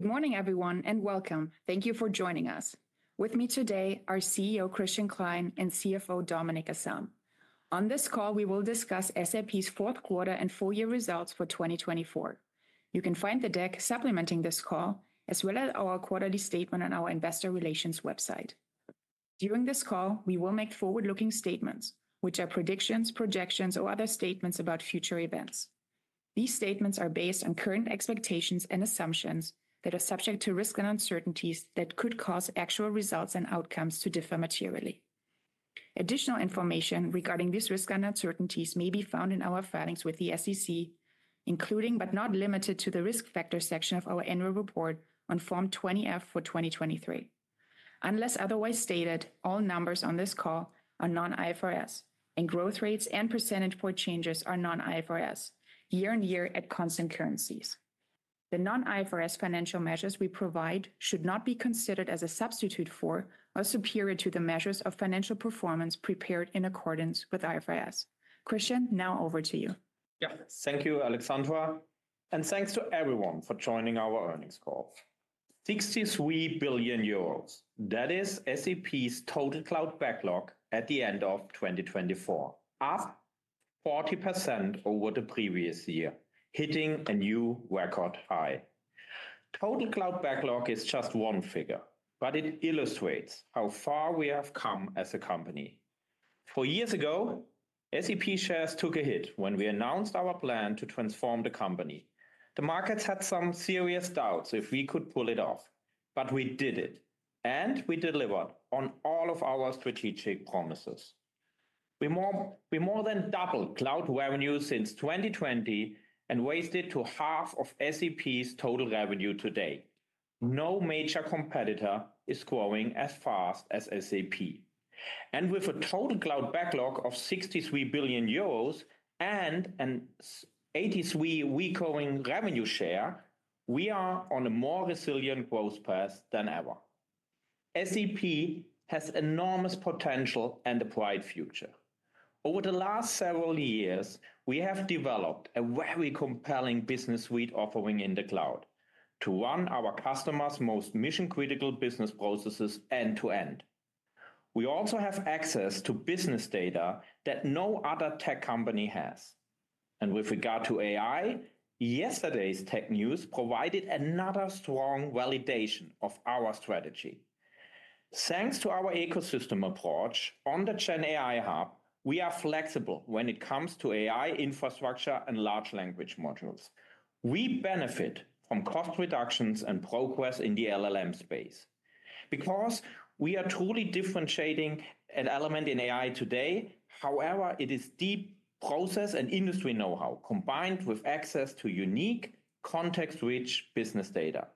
Good morning, everyone, and welcome. Thank you for joining us. With me today are CEO Christian Klein and CFO Dominik Asam. On this call, we will discuss SAP's fourth quarter and full year results for 2024. You can find the deck supplementing this call, as well as our quarterly statement on our investor relations website. During this call, we will make forward-looking statements, which are predictions, projections, or other statements about future events. These statements are based on current expectations and assumptions that are subject to risk and uncertainties that could cause actual results and outcomes to differ materially. Additional information regarding these risks and uncertainties may be found in our filings with the SEC, including but not limited to the risk factor section of our annual report on Form 20-F for 2023. Unless otherwise stated, all numbers on this call are non-IFRS, and growth rates and percentage point changes are non-IFRS, year-on-year at constant currencies. The non-IFRS financial measures we provide should not be considered as a substitute for or superior to the measures of financial performance prepared in accordance with IFRS. Christian, now over to you. Yeah, thank you, Alexandra, and thanks to everyone for joining our earnings call. 63 billion euros, that is SAP's total cloud backlog at the end of 2024, up 40% over the previous year, hitting a new record high. Total cloud backlog is just one figure, but it illustrates how far we have come as a company. Four years ago, SAP shares took a hit when we announced our plan to transform the company. The markets had some serious doubts if we could pull it off, but we did it, and we delivered on all of our strategic promises. We more than doubled cloud revenue since 2020 and raised it to half of SAP's total revenue today. No major competitor is growing as fast as SAP. With a total cloud backlog of 63 billion euros and an 83% recurring revenue share, we are on a more resilient growth path than ever. SAP has enormous potential and a bright future. Over the last several years, we have developed a very compelling business suite offering in the cloud to run our customers' most mission-critical business processes end to end. We also have access to business data that no other tech company has. With regard to AI, yesterday's tech news provided another strong validation of our strategy. Thanks to our ecosystem approach on the GenAI hub, we are flexible when it comes to AI infrastructure and large language models. We benefit from cost reductions and progress in the LLM space because we are truly differentiating an element in AI today. However, it is deep process and industry know-how combined with access to unique, context-rich business data.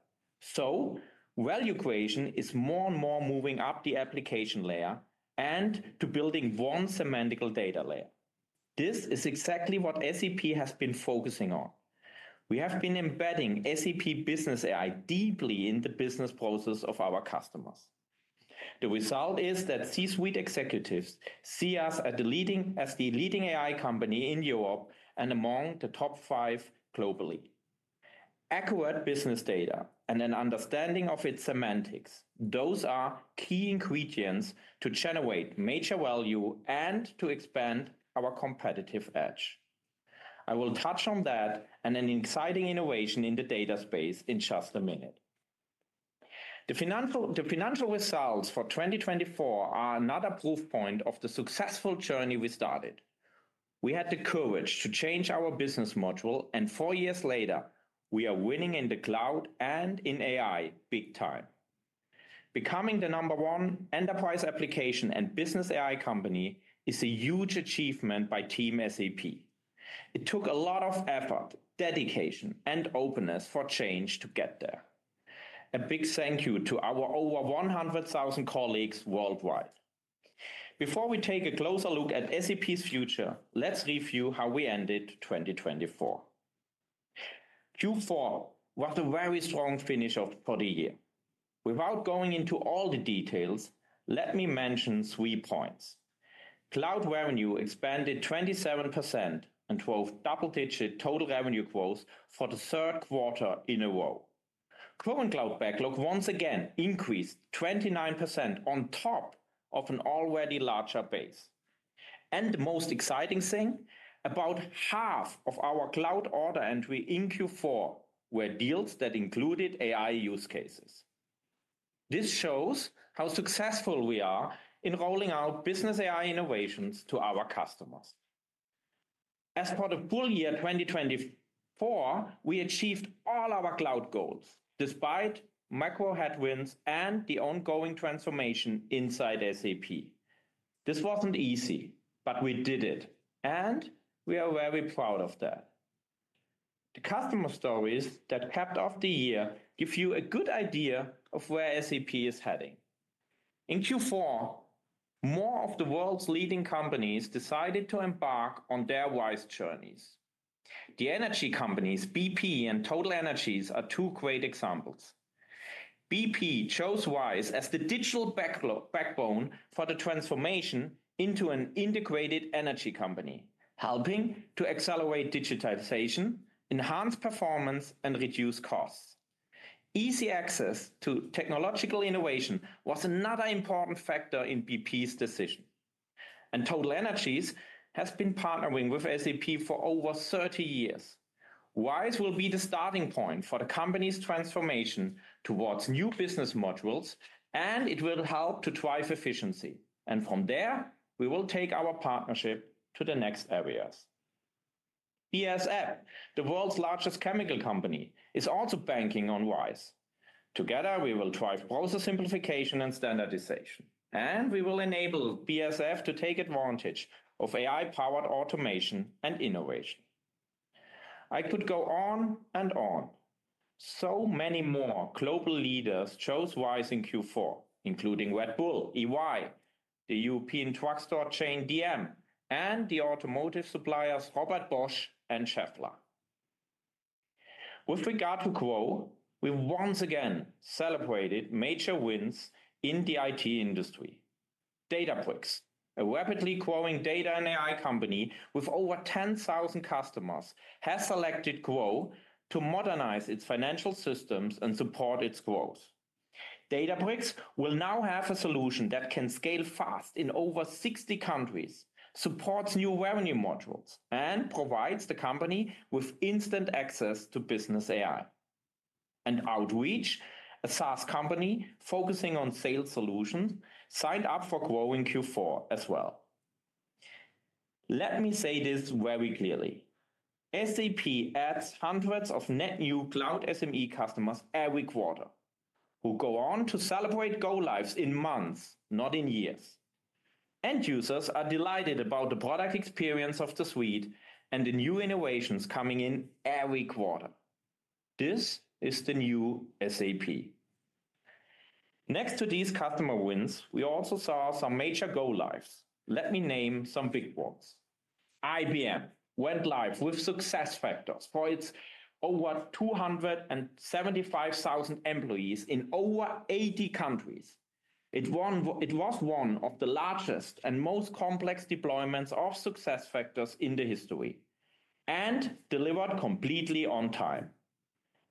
The value equation is more and more moving up the application layer and to building one semantical data layer. This is exactly what SAP has been focusing on. We have been embedding SAP Business AI deeply in the business process of our customers. The result is that C-suite executives see us as the leading AI company in Europe and among the top five globally. Accurate business data and an understanding of its semantics, those are key ingredients to generate major value and to expand our competitive edge. I will touch on that and an exciting innovation in the data space in just a minute. The financial results for 2024 are another proof point of the successful journey we started. We had the courage to change our business model, and four years later, we are winning in the cloud and in AI big time. Becoming the number one enterprise application and Business AI company is a huge achievement by Team SAP. It took a lot of effort, dedication, and openness for change to get there. A big thank you to our over 100,000 colleagues worldwide. Before we take a closer look at SAP's future, let's review how we ended 2024. Q4 was a very strong finish for the year. Without going into all the details, let me mention three points. Cloud revenue expanded 27% and drove double-digit total revenue growth for the third quarter in a row. Current cloud backlog once again increased 29% on top of an already larger base. And the most exciting thing, about half of our cloud order entry in Q4 were deals that included AI use cases. This shows how successful we are in rolling out Business AI innovations to our customers. As part of full year 2024, we achieved all our cloud goals despite macro headwinds and the ongoing transformation inside SAP. This wasn't easy, but we did it, and we are very proud of that. The customer stories that capped off the year give you a good idea of where SAP is heading. In Q4, more of the world's leading companies decided to embark on their RISE journeys. The energy companies BP and TotalEnergies are two great examples. BP chose RISE as the digital backbone for the transformation into an integrated energy company, helping to accelerate digitalization, enhance performance, and reduce costs. Easy access to technological innovation was another important factor in BP's decision. TotalEnergies has been partnering with SAP for over 30 years. RISE will be the starting point for the company's transformation towards new business models, and it will help to drive efficiency. And from there, we will take our partnership to the next areas. BASF, the world's largest chemical company, is also banking on RISE with SAP. Together, we will drive process simplification and standardization, and we will enable BASF to take advantage of AI-powered automation and innovation. I could go on and on. So many more global leaders chose RISE with SAP in Q4, including Red Bull, EY, the European drugstore chain dm, and the automotive suppliers Robert Bosch and Schaeffler. With regard to growth, we once again celebrated major wins in the IT industry. Databricks, a rapidly growing data and AI company with over 10,000 customers, has selected GROW with SAP to modernize its financial systems and support its growth. Databricks will now have a solution that can scale fast in over 60 countries, supports new revenue modules, and provides the company with instant access to Business AI. Outreach, a SaaS company focusing on sales solutions, signed up for GROW in Q4 as well. Let me say this very clearly. SAP adds hundreds of net new cloud SME customers every quarter, who go on to celebrate go-lives in months, not in years. End users are delighted about the product experience of the suite and the new innovations coming in every quarter. This is the new SAP. Next to these customer wins, we also saw some major go-lives. Let me name some big ones. IBM went live with SuccessFactors for its over 275,000 employees in over 80 countries. It was one of the largest and most complex deployments of SuccessFactors in the history and delivered completely on time.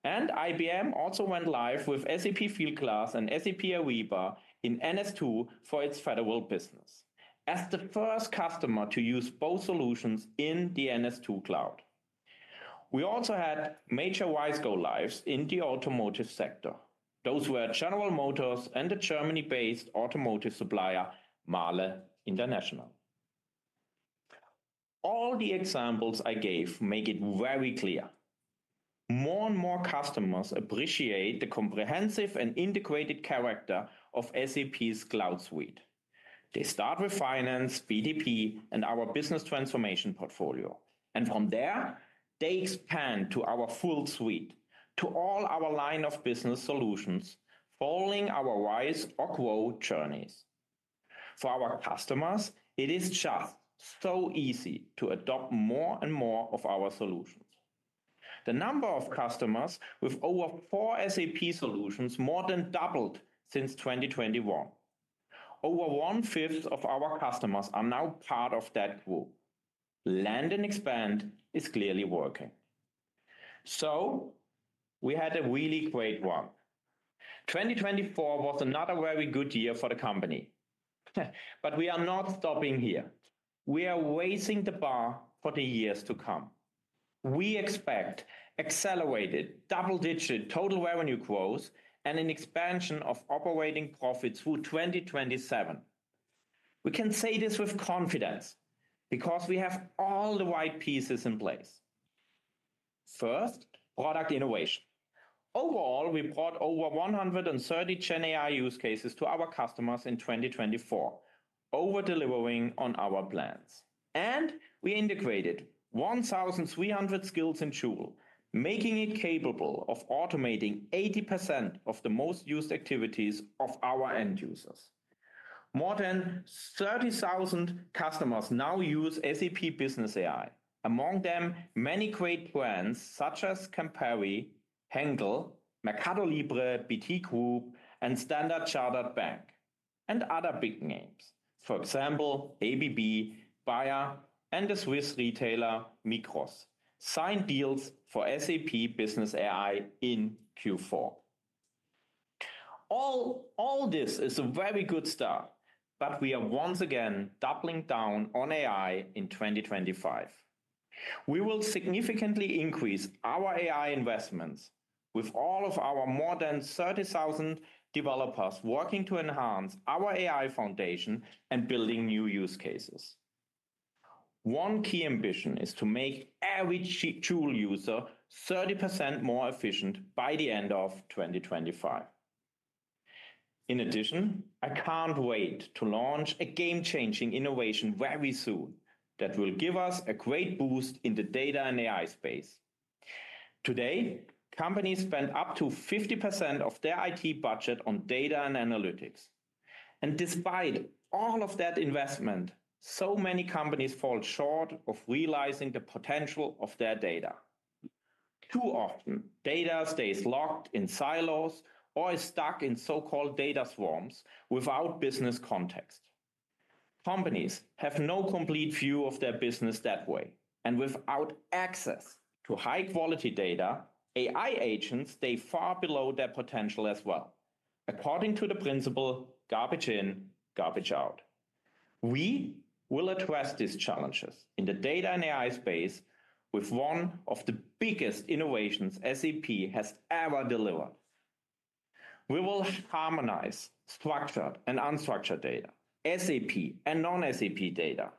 IBM also went live with SAP Fieldglass and SAP Ariba in NS2 for its federal business as the first customer to use both solutions in the NS2 cloud. We also had major RISE go-lives in the automotive sector. Those were General Motors and the Germany-based automotive supplier MAHLE International. All the examples I gave make it very clear. More and more customers appreciate the comprehensive and integrated character of SAP's cloud suite. They start with finance, BTP, and our business transformation portfolio. And from there, they expand to our full suite, to all our line of business solutions, following our RISE or GROW journeys. For our customers, it is just so easy to adopt more and more of our solutions. The number of customers with over four SAP solutions more than doubled since 2021. Over one-fifth of our customers are now part of that group. Land and expand is clearly working, so we had a really great one. 2024 was another very good year for the company, but we are not stopping here. We are raising the bar for the years to come. We expect accelerated double-digit total revenue growth and an expansion of operating profits through 2027. We can say this with confidence because we have all the right pieces in place. First, product innovation. Overall, we brought over 130 GenAI use cases to our customers in 2024, over-delivering on our plans. And we integrated 1,300 skills in Joule, making it capable of automating 80% of the most used activities of our end users. More than 30,000 customers now use SAP Business AI. Among them, many great brands such as Campari, Henkel, Mercado Libre, BT Group, and Standard Chartered Bank, and other big names, for example, ABB, Bayer, and the Swiss retailer Migros, signed deals for SAP Business AI in Q4. All this is a very good start, but we are once again doubling down on AI in 2025. We will significantly increase our AI investments with all of our more than 30,000 developers working to enhance our AI foundation and building new use cases. One key ambition is to make every Joule user 30% more efficient by the end of 2025. In addition, I can't wait to launch a game-changing innovation very soon that will give us a great boost in the data and AI space. Today, companies spend up to 50% of their IT budget on data and analytics. And despite all of that investment, so many companies fall short of realizing the potential of their data. Too often, data stays locked in silos or is stuck in so-called data swamps without business context. Companies have no complete view of their business that way. And without access to high-quality data, AI agents stay far below their potential as well, according to the principle, garbage in, garbage out. We will address these challenges in the data and AI space with one of the biggest innovations SAP has ever delivered. We will harmonize structured and unstructured data, SAP and non-SAP data,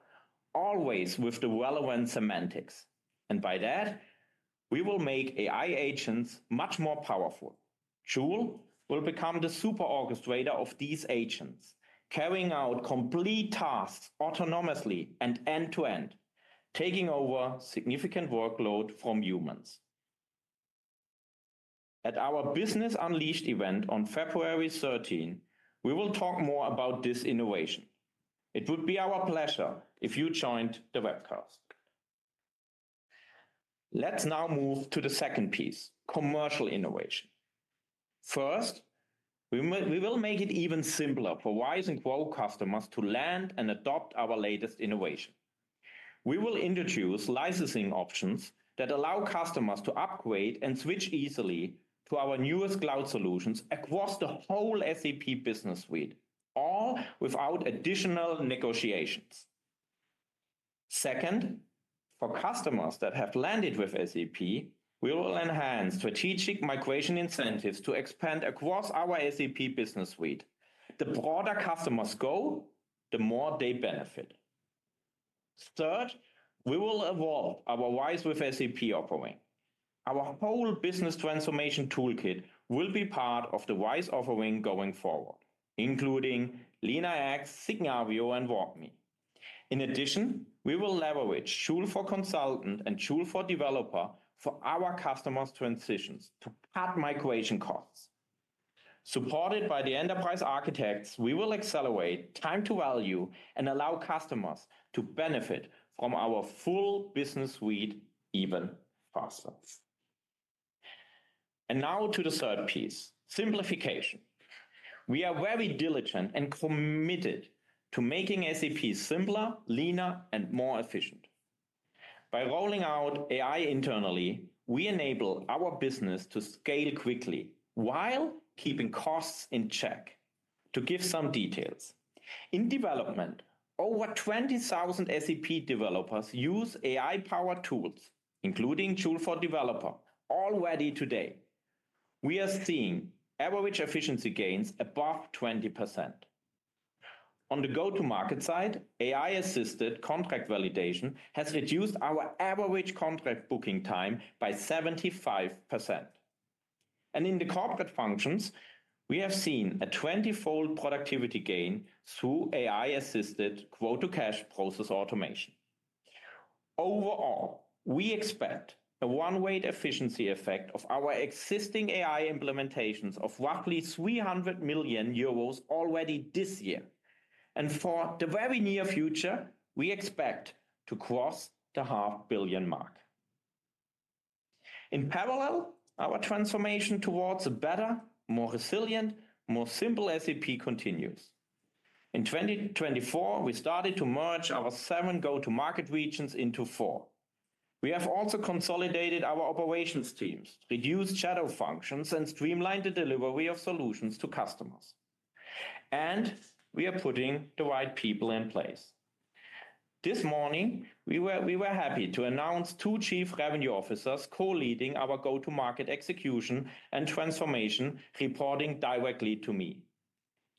always with the relevant semantics, and by that, we will make AI agents much more powerful. Joule will become the super orchestrator of these agents, carrying out complete tasks autonomously and end-to-end, taking over significant workload from humans. At our Business Unleashed event on February 13, we will talk more about this innovation. It would be our pleasure if you joined the webcast. Let's now move to the second piece, commercial innovation. First, we will make it even simpler for RISE and GROW customers to land and adopt our latest innovation. We will introduce licensing options that allow customers to upgrade and switch easily to our newest cloud solutions across the whole SAP Business Suite, all without additional negotiations. Second, for customers that have landed with SAP, we will enhance strategic migration incentives to expand across our SAP Business Suite. The broader customers go, the more they benefit. Third, we will evolve our RISE with SAP offering. Our whole business transformation toolkit will be part of the RISE offering going forward, including LeanIX, Signavio, and WalkMe. In addition, we will leverage Joule for Consultant and Joule for Developer for our customers' transitions to cut migration costs. Supported by the Enterprise Architects, we will accelerate time to value and allow customers to benefit from our full business suite even faster. And now to the third piece, simplification. We are very diligent and committed to making SAP simpler, leaner, and more efficient. By rolling out AI internally, we enable our business to scale quickly while keeping costs in check. To give some details, in development, over 20,000 SAP developers use AI-powered tools, including Joule for Developer, already today. We are seeing average efficiency gains above 20%. On the go-to-market side, AI-assisted contract validation has reduced our average contract booking time by 75%. And in the corporate functions, we have seen a 20-fold productivity gain through AI-assisted go-to-cash process automation. Overall, we expect a one-way efficiency effect of our existing AI implementations of roughly 300 million euros already this year. And for the very near future, we expect to cross the 500 million mark. In parallel, our transformation towards a better, more resilient, more simple SAP continues. In 2024, we started to merge our seven go-to-market regions into four. We have also consolidated our operations teams, reduced shadow functions, and streamlined the delivery of solutions to customers, and we are putting the right people in place. This morning, we were happy to announce two Chief Revenue Officers co-leading our go-to-market execution and transformation, reporting directly to me: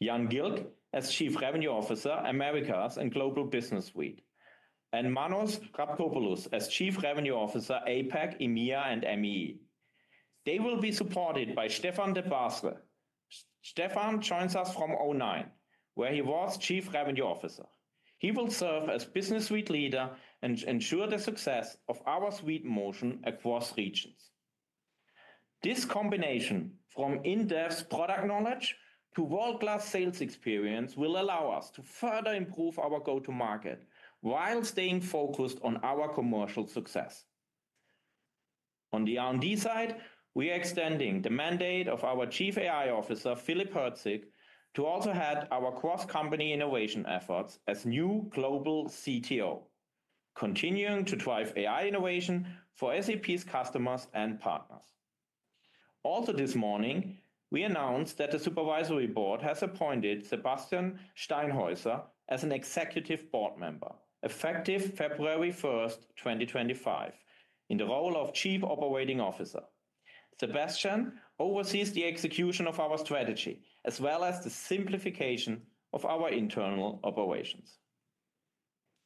Jan Gilg as Chief Revenue Officer, Americas and Global Business Suite, and Manos Raptopoulos as Chief Revenue Officer, APAC, EMEA, and MEE. They will be supported by Stephan de Barse. Stephan joins us from o9, where he was Chief Revenue Officer. He will serve as Business Suite Leader and ensure the success of our suite motion across regions. This combination, from in-depth product knowledge to world-class sales experience, will allow us to further improve our go-to-market while staying focused on our commercial success. On the R&D side, we are extending the mandate of our Chief AI Officer, Philipp Herzig, to also head our cross-company innovation efforts as new global CTO, continuing to drive AI innovation for SAP's customers and partners. Also this morning, we announced that the Supervisory Board has appointed Sebastian Steinhäuser as an executive board member, effective February 1st, 2025, in the role of Chief Operating Officer. Sebastian oversees the execution of our strategy, as well as the simplification of our internal operations.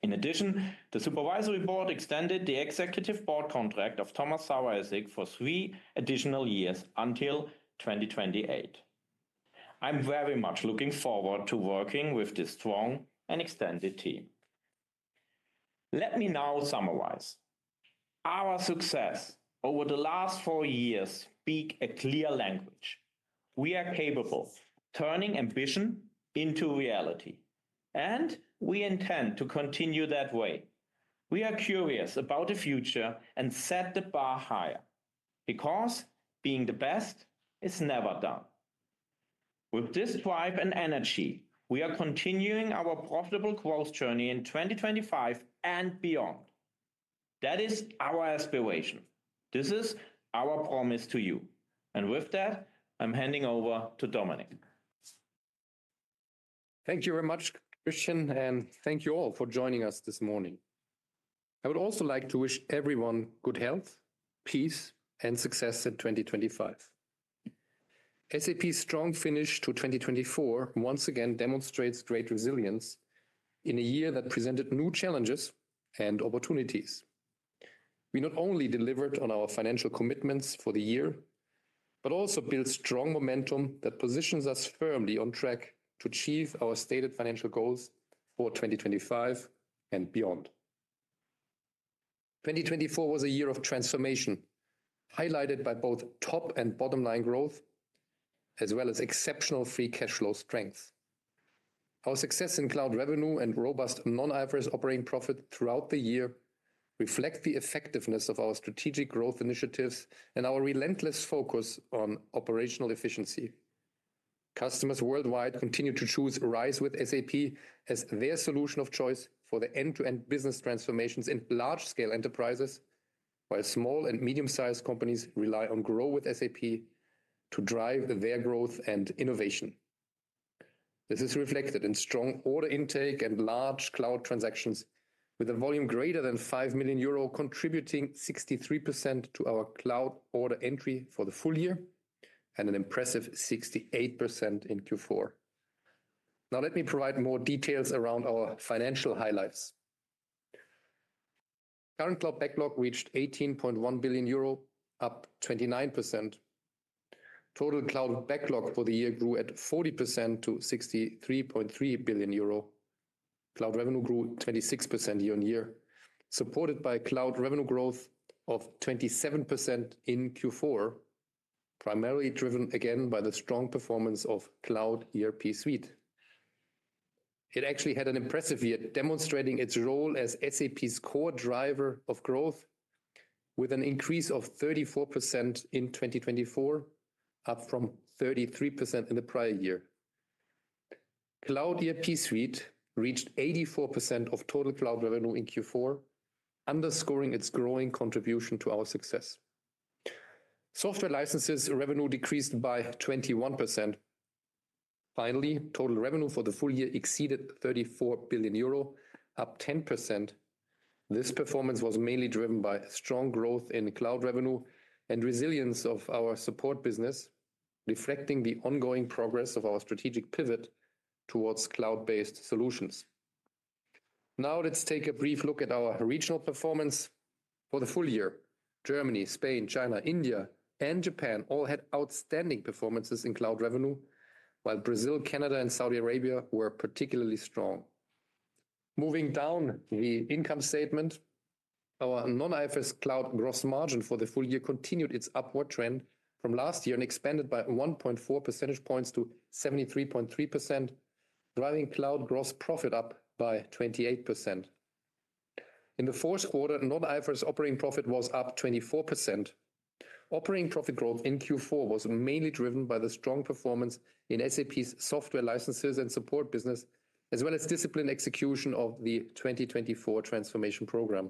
In addition, the Supervisory Board extended the executive board contract of Thomas Saueressig for three additional years until 2028. I'm very much looking forward to working with this strong and extended team. Let me now summarize. Our success over the last four years speaks a clear language. We are capable of turning ambition into reality, and we intend to continue that way. We are curious about the future and set the bar higher because being the best is never done. With this drive and energy, we are continuing our profitable growth journey in 2025 and beyond. That is our aspiration. This is our promise to you, and with that, I'm handing over to Dominik. Thank you very much, Christian, and thank you all for joining us this morning. I would also like to wish everyone good health, peace, and success in 2025. SAP's strong finish to 2024 once again demonstrates great resilience in a year that presented new challenges and opportunities. We not only delivered on our financial commitments for the year, but also built strong momentum that positions us firmly on track to achieve our stated financial goals for 2025 and beyond. 2024 was a year of transformation, highlighted by both top and bottom-line growth, as well as exceptional free cash flow strength. Our success in cloud revenue and robust non-IFRS operating profit throughout the year reflect the effectiveness of our strategic growth initiatives and our relentless focus on operational efficiency. Customers worldwide continue to choose RISE with SAP as their solution of choice for the end-to-end business transformations in large-scale enterprises, while small and medium-sized companies rely on GROW with SAP to drive their growth and innovation. This is reflected in strong order intake and large cloud transactions, with a volume greater than 5 million euro contributing 63% to our cloud order entry for the full year and an impressive 68% in Q4. Now let me provide more details around our financial highlights. Current cloud backlog reached 18.1 billion euro, up 29%. Total cloud backlog for the year grew at 40% to 63.3 billion euro. Cloud revenue grew 26% year-on-year, supported by cloud revenue growth of 27% in Q4, primarily driven again by the strong performance of Cloud ERP Suite. It actually had an impressive year, demonstrating its role as SAP's core driver of growth, with an increase of 34% in 2024, up from 33% in the prior year. Cloud ERP Suite reached 84% of total cloud revenue in Q4, underscoring its growing contribution to our success. Software licenses revenue decreased by 21%. Finally, total revenue for the full year exceeded 34 billion euro, up 10%. This performance was mainly driven by strong growth in cloud revenue and resilience of our support business, reflecting the ongoing progress of our strategic pivot towards cloud-based solutions. Now let's take a brief look at our regional performance. For the full year, Germany, Spain, China, India, and Japan all had outstanding performances in cloud revenue, while Brazil, Canada, and Saudi Arabia were particularly strong. Moving down the income statement, our non-IFRS cloud gross margin for the full year continued its upward trend from last year and expanded by 1.4 percentage points to 73.3%, driving cloud gross profit up by 28%. In the fourth quarter, non-IFRS operating profit was up 24%. Operating profit growth in Q4 was mainly driven by the strong performance in SAP's software licenses and support business, as well as discipline execution of the 2024 transformation program.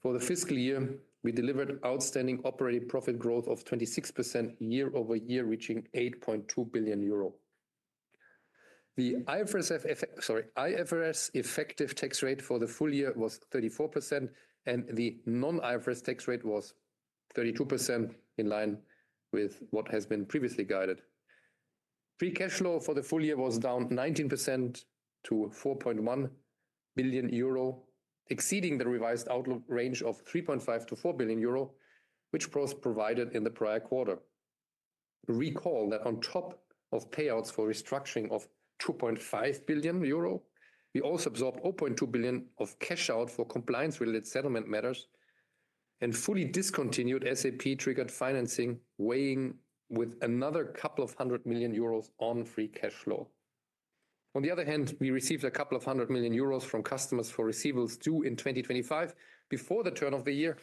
For the fiscal year, we delivered outstanding operating profit growth of 26% year-over-year, reaching EUR 8.2 billion. The IFRS effective tax rate for the full year was 34%, and the non-IFRS tax rate was 32%, in line with what has been previously guided. Free cash flow for the full year was down 19% to 4.1 billion euro, exceeding the revised outlook range of 3.5 billion-4 billion euro, which was provided in the prior quarter. Recall that on top of payouts for restructuring of 2.5 billion euro, we also absorbed 0.2 billion of cash out for compliance-related settlement matters and fully discontinued SAP-triggered financing, weighing with another couple of hundred million euros on free cash flow. On the other hand, we received a couple of hundred million euros from customers for receivables due in 2025 before the turn of the year,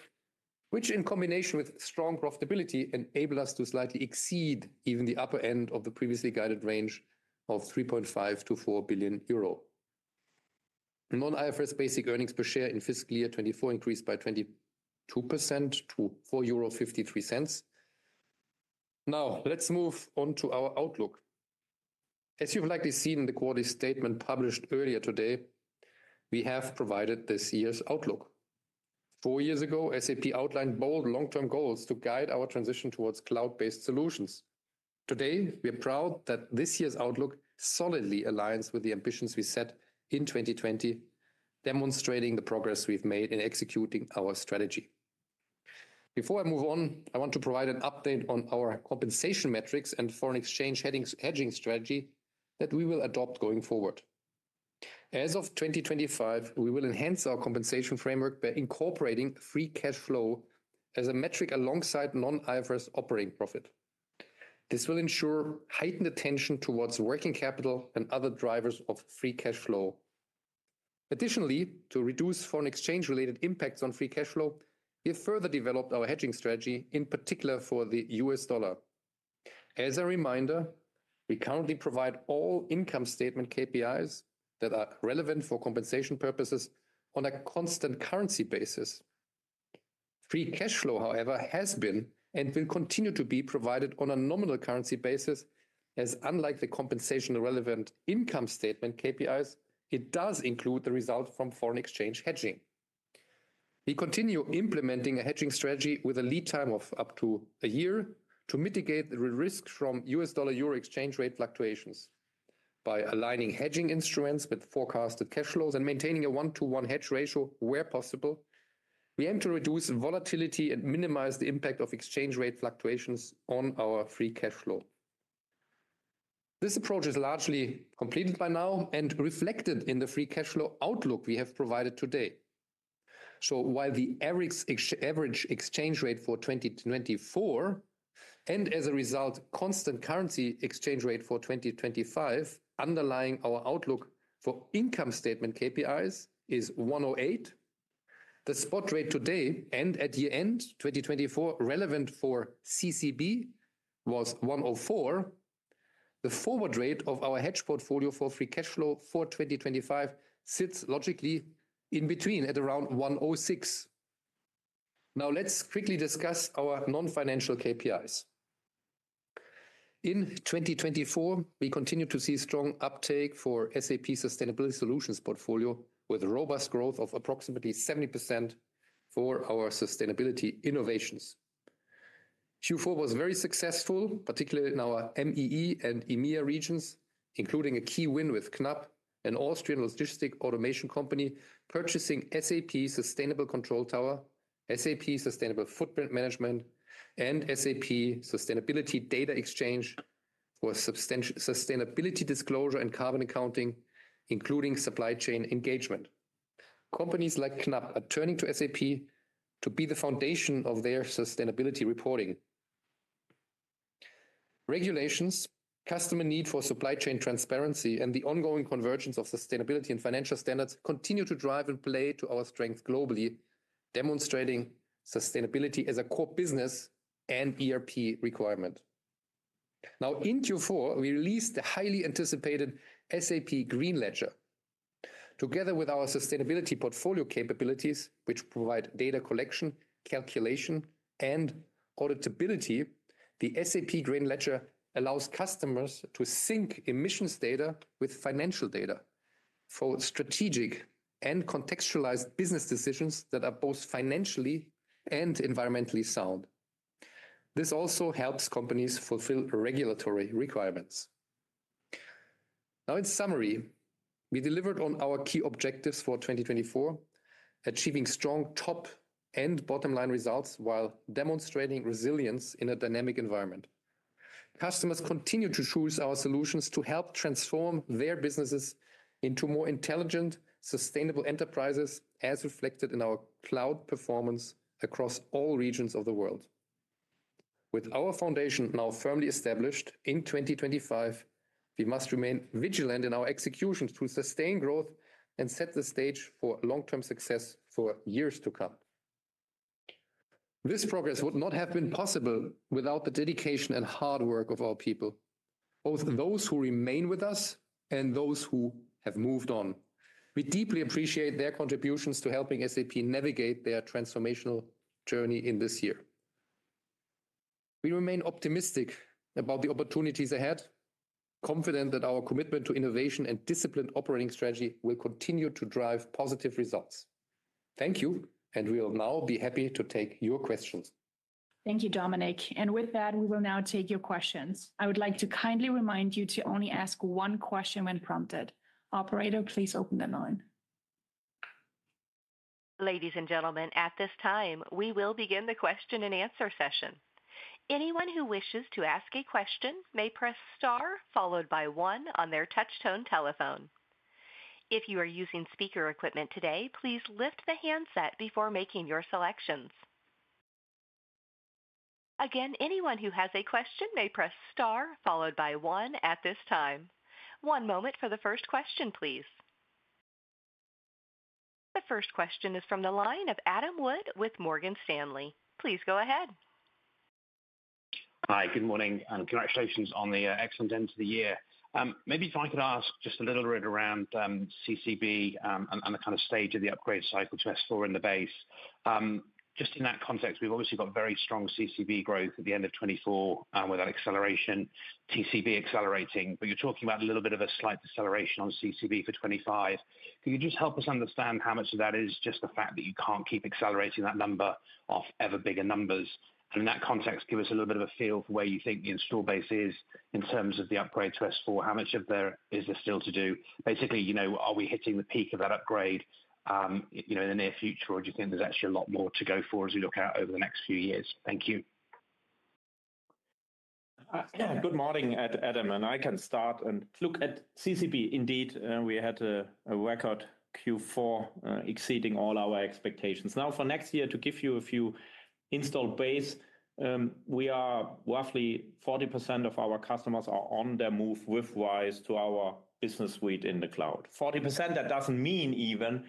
which, in combination with strong profitability, enabled us to slightly exceed even the upper end of the previously guided range of 3.5 billion-4 billion euro. Non-IFRS basic earnings per share in fiscal year 2024 increased by 22% to 4.53 euro. Now, let's move on to our outlook. As you've likely seen in the quarterly statement published earlier today, we have provided this year's outlook. Four years ago, SAP outlined bold long-term goals to guide our transition towards cloud-based solutions. Today, we are proud that this year's outlook solidly aligns with the ambitions we set in 2020, demonstrating the progress we've made in executing our strategy. Before I move on, I want to provide an update on our compensation metrics and foreign exchange hedging strategy that we will adopt going forward. As of 2025, we will enhance our compensation framework by incorporating free cash flow as a metric alongside non-IFRS operating profit. This will ensure heightened attention towards working capital and other drivers of free cash flow. Additionally, to reduce foreign exchange-related impacts on free cash flow, we have further developed our hedging strategy, in particular for the U.S. dollar. As a reminder, we currently provide all income statement KPIs that are relevant for compensation purposes on a constant currency basis. Free cash flow, however, has been and will continue to be provided on a nominal currency basis, as unlike the compensation-relevant income statement KPIs, it does include the result from foreign exchange hedging. We continue implementing a hedging strategy with a lead time of up to a year to mitigate the risk from US dollar-euro exchange rate fluctuations. By aligning hedging instruments with forecasted cash flows and maintaining a 1:1 hedge ratio where possible, we aim to reduce volatility and minimize the impact of exchange rate fluctuations on our free cash flow. This approach is largely completed by now and reflected in the free cash flow outlook we have provided today. While the average exchange rate for 2024 and, as a result, constant currency exchange rate for 2025 underlying our outlook for income statement KPIs is 1.08, the spot rate today and at year-end 2024 relevant for CCB was 1.04, the forward rate of our hedge portfolio for free cash flow for 2025 sits logically in between at around 1.06. Now, let's quickly discuss our non-financial KPIs. In 2024, we continue to see strong uptake for SAP Sustainability Solutions portfolio, with robust growth of approximately 70% for our sustainability innovations. Q4 was very successful, particularly in our MEE and EMEA regions, including a key win with KNAPP, an Austrian logistics automation company, purchasing SAP Sustainability Control Tower, SAP Sustainability Footprint Management, and SAP Sustainability Data Exchange for sustainability disclosure and carbon accounting, including supply chain engagement. Companies like KNAPP are turning to SAP to be the foundation of their sustainability reporting. Regulations, customer need for supply chain transparency, and the ongoing convergence of sustainability and financial standards continue to drive and play to our strength globally, demonstrating sustainability as a core business and ERP requirement. Now, in Q4, we released the highly anticipated SAP Green Ledger. Together with our sustainability portfolio capabilities, which provide data collection, calculation, and auditability, the SAP Green Ledger allows customers to sync emissions data with financial data for strategic and contextualized business decisions that are both financially and environmentally sound. This also helps companies fulfill regulatory requirements. Now, in summary, we delivered on our key objectives for 2024, achieving strong top and bottom-line results while demonstrating resilience in a dynamic environment. Customers continue to choose our solutions to help transform their businesses into more intelligent, sustainable enterprises, as reflected in our cloud performance across all regions of the world. With our foundation now firmly established, in 2025, we must remain vigilant in our execution to sustain growth and set the stage for long-term success for years to come. This progress would not have been possible without the dedication and hard work of our people, both those who remain with us and those who have moved on. We deeply appreciate their contributions to helping SAP navigate their transformational journey in this year. We remain optimistic about the opportunities ahead, confident that our commitment to innovation and disciplined operating strategy will continue to drive positive results. Thank you, and we'll now be happy to take your questions. Thank you, Dominik. And with that, we will now take your questions. I would like to kindly remind you to only ask one question when prompted. Operator, please open the line. Ladies and gentlemen, at this time, we will begin the question and answer session. Anyone who wishes to ask a question may press star followed by one on their touch-tone telephone. If you are using speaker equipment today, please lift the handset before making your selections. Again, anyone who has a question may press star followed by one at this time. One moment for the first question, please. The first question is from the line of Adam Wood with Morgan Stanley. Please go ahead. Hi, good morning, and congratulations on the excellent end of the year. Maybe if I could ask just a little bit around CCB and the kind of stage of the upgrade cycle to S/4 in the base. Just in that context, we've obviously got very strong CCB growth at the end of 2024 with that acceleration, TCB accelerating, but you're talking about a little bit of a slight deceleration on CCB for 2025. Can you just help us understand how much of that is just the fact that you can't keep accelerating that number off ever bigger numbers? And in that context, give us a little bit of a feel for where you think the install base is in terms of the upgrade to S/4. How much of it is there still to do? Basically, are we hitting the peak of that upgrade in the near future, or do you think there's actually a lot more to go for as we look out over the next few years? Thank you. Good morning, Adam, and I can start and look at CCB. Indeed, we had a record Q4 exceeding all our expectations. Now, for next year, to give you a view of the installed base, we are roughly 40% of our customers are on the move with RISE to our business suite in the cloud. 40%, that doesn't mean even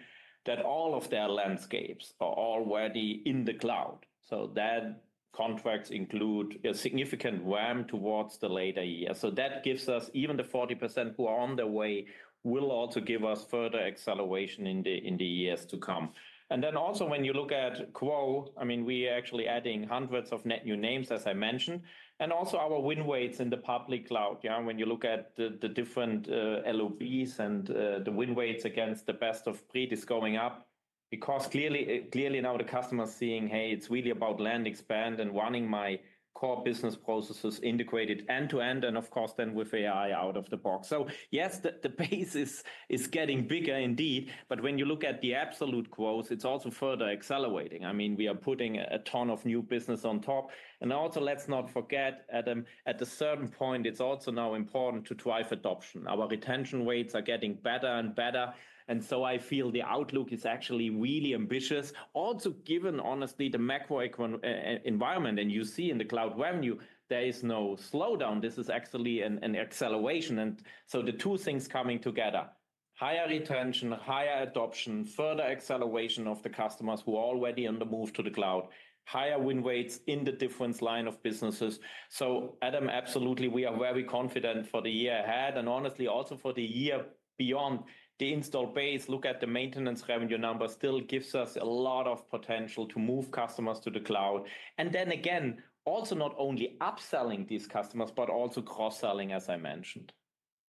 that all of their landscapes are already in the cloud. So those contracts include a significant ramp towards the latter years. So that gives us even the 40% who are on their way will also give us further acceleration in the years to come. And then also, when you look at growth, I mean, we are actually adding hundreds of net new names, as I mentioned, and also our win rates in the public cloud. When you look at the different LOBs and the win rates against the best of breed is going up because clearly now the customer is seeing, hey, it's really about land expand and running my core business processes integrated end to end and, of course, then with AI out of the box. So yes, the base is getting bigger indeed, but when you look at the absolute growth, it's also further accelerating. I mean, we are putting a ton of new business on top. And also, let's not forget, Adam, at a certain point, it's also now important to drive adoption. Our retention rates are getting better and better. And so I feel the outlook is actually really ambitious, also given, honestly, the macro environment. And you see in the cloud revenue, there is no slowdown. This is actually an acceleration. And so the two things coming together, higher retention, higher adoption, further acceleration of the customers who are already on the move to the cloud, higher win rates in the difference line of businesses. So, Adam, absolutely, we are very confident for the year ahead and honestly also for the year beyond. The install base, look at the maintenance revenue number, still gives us a lot of potential to move customers to the cloud. And then again, also not only upselling these customers, but also cross-selling, as I mentioned.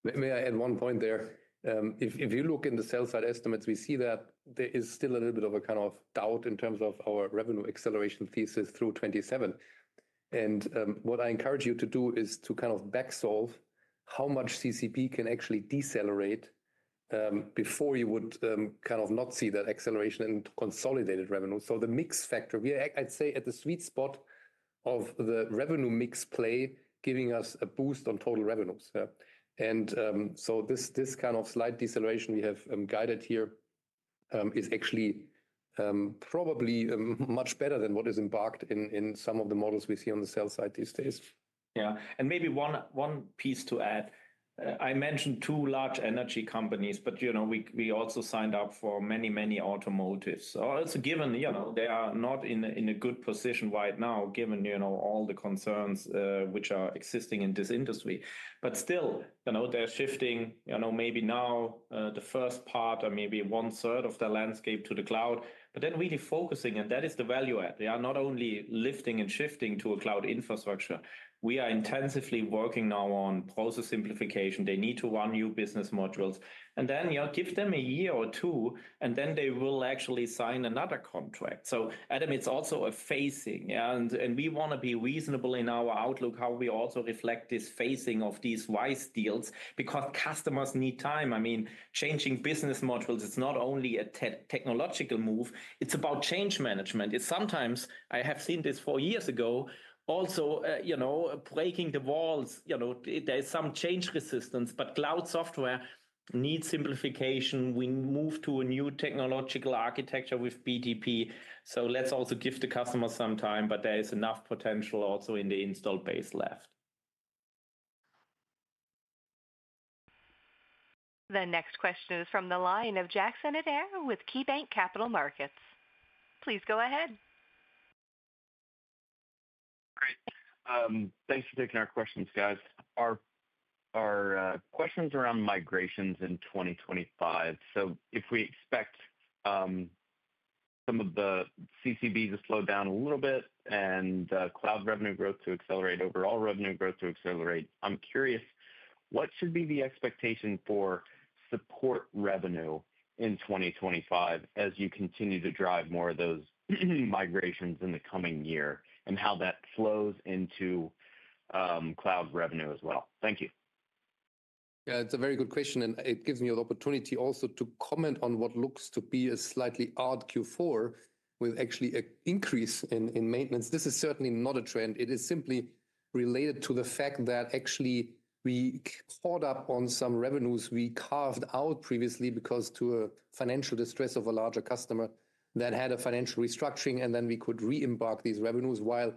May I add one point there? If you look in the sell-side estimates, we see that there is still a little bit of a kind of doubt in terms of our revenue acceleration thesis through 2027. What I encourage you to do is to kind of back solve how much CCB can actually decelerate before you would kind of not see that acceleration in consolidated revenue. The mix factor, I'd say at the sweet spot of the revenue mix play, giving us a boost on total revenues. This kind of slight deceleration we have guided here is actually probably much better than what is embarked in some of the models we see on the sell-side these days. Yeah, maybe one piece to add. I mentioned two large energy companies, but we also signed up for many, many automotives. Also, given they are not in a good position right now, given all the concerns which are existing in this industry. But still, they're shifting maybe now the first part or maybe one-third of the landscape to the cloud, but then really focusing, and that is the value add. They are not only lifting and shifting to a cloud infrastructure. We are intensively working now on process simplification. They need to run new business modules, and then give them a year or two, and then they will actually sign another contract. Adam, it's also a phasing. We want to be reasonable in our outlook, how we also reflect this phasing of these RISE deals because customers need time. I mean, changing business modules, it's not only a technological move. It's about change management. Sometimes, I have seen this four years ago, also breaking the walls. There's some change resistance, but cloud software needs simplification. We moved to a new technological architecture with BTP. So let's also give the customer some time, but there is enough potential also in the install base left. The next question is from the line of Jackson Ader with KeyBanc Capital Markets. Please go ahead. Great. Thanks for taking our questions, guys. Our question is around migrations in 2025. So if we expect some of the CCB to slow down a little bit and cloud revenue growth to accelerate, overall revenue growth to accelerate, I'm curious, what should be the expectation for support revenue in 2025 as you continue to drive more of those migrations in the coming year and how that flows into cloud revenue as well? Thank you. Yeah, it's a very good question, and it gives me an opportunity also to comment on what looks to be a slightly odd Q4 with actually an increase in maintenance. This is certainly not a trend. It is simply related to the fact that actually we caught up on some revenues we carved out previously because to a financial distress of a larger customer that had a financial restructuring, and then we could re-embark these revenues. While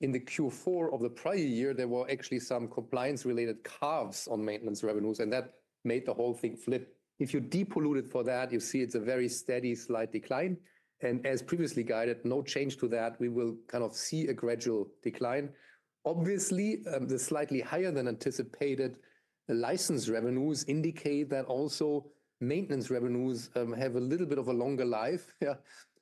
in the Q4 of the prior year, there were actually some compliance-related carves on maintenance revenues, and that made the whole thing flip. If you depolluted for that, you see it's a very steady slight decline, and as previously guided, no change to that. We will kind of see a gradual decline. Obviously, the slightly higher than anticipated license revenues indicate that also maintenance revenues have a little bit of a longer life.